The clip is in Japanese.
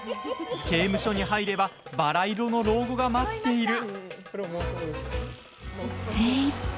刑務所に入ればバラ色の老後が待っている。